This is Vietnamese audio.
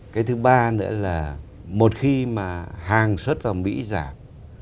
cái thứ ba nữa là một khi mà hàng xuất vào mỹ giảm